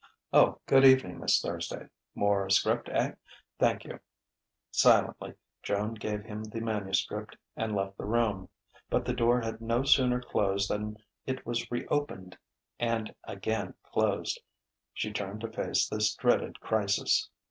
"Oh, good evening, Miss Thursday. More 'script, eh? Thank you." Silently Joan gave him the manuscript and left the room. But the door had no sooner closed than it was re opened and again closed. She turned to face this dreaded crisis.